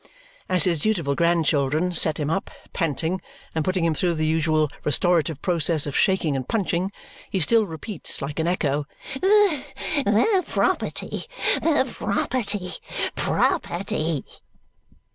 As his dutiful grandchildren set him up, panting, and putting him through the usual restorative process of shaking and punching, he still repeats like an echo, "The the property! The property! Property!"